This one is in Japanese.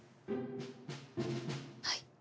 はい。